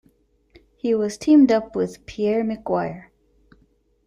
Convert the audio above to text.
He was teamed up with Pierre McGuire.